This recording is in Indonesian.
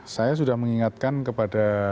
saya sudah mengingatkan kepada